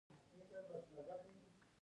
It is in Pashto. مېوې د افغانستان د ځمکې د جوړښت نښه ده.